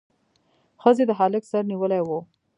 ښځې د هلک سر نیولی و.